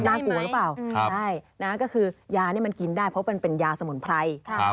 น่ากลัวหรือเปล่าใช่นะก็คือยานี่มันกินได้เพราะมันเป็นยาสมุนไพร